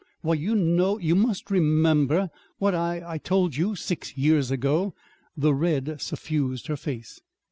"Why, you know you must remember what I I told you, six years ago." The red suffused her face.